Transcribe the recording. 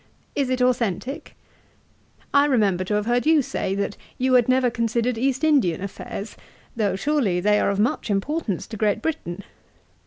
Is it authentick? I remember to have heard you say, that you had never considered East Indian affairs; though, surely, they are of much importance to Great Britain.